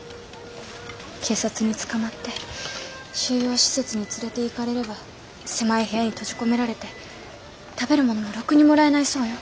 警察に捕まって収容施設に連れていかれれば狭い部屋に閉じ込められて食べる物もろくにもらえないそうよ。